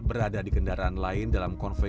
berada di kendaraan lain dalam konfe